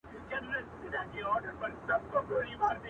• دا غزل مي د خپل زړه په وینو سره سوه -